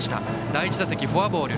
第１打席、フォアボール。